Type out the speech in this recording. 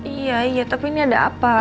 iya iya tapi ini ada apa